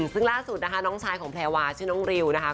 ซึ่งล่าสุดนะคะน้องชายของแพรวาชื่อน้องริวนะคะ